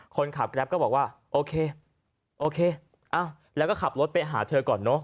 แกรปก็บอกว่าโอเคโอเคแล้วก็ขับรถไปหาเธอก่อนเนอะ